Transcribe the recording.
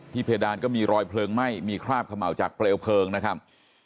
เพดานก็มีรอยเพลิงไหม้มีคราบเขม่าจากเปลวเพลิงนะครับ